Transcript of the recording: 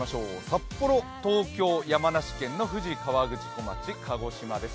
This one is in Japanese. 札幌、東京、山梨県の富士河口湖町、鹿児島です。